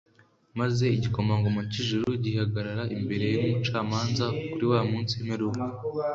Maze igikomangoma cy'ijuru gihagarara imbere nk'umucamanza kuri wa munsi w'imperuka;